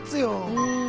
うん。